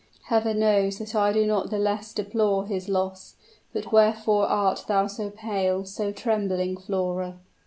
Heaven knows that I do not the less deplore his loss but wherefore art thou so pale, so trembling, Flora?"